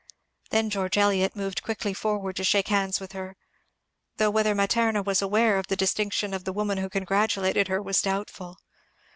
Then George Eliot moved quickly forward to shake hands with her, though whether Matema was aware of the distinction of the woman who congratulated her was doubtful.